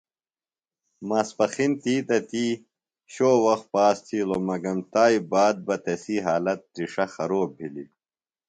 ماسپخِن تی تہ تی شو وخت پاس تِھیلوۡ مگم تائی باد بہ تسی حالت تِرݜہ خروب بِھلیۡ۔